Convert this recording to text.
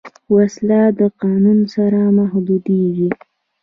وسله د قانون سره محدودېږي